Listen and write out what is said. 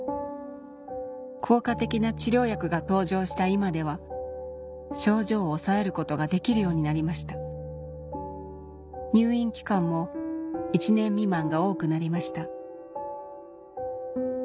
した今では症状を抑えることができるようになりました入院期間も１年未満が多くなりました